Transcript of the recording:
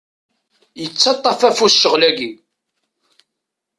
Yettaṭṭaf afus ccɣel-agi.